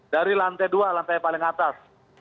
dari lantai dua lantai paling atas